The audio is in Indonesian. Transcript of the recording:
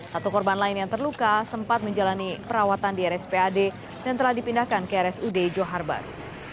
satu korban lain yang terluka sempat menjalani perawatan di rspad dan telah dipindahkan ke rsud johar baru